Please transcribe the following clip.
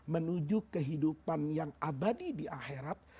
menuju kehidupan yang abadi di akhirat